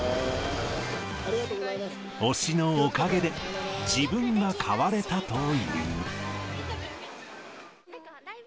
推しのおかげで、自分が変われたという。